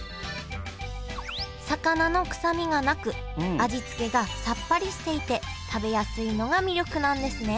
魚の臭みがなく味付けがさっぱりしていて食べやすいのが魅力なんですね